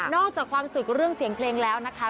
อกจากความสุขเรื่องเสียงเพลงแล้วนะคะ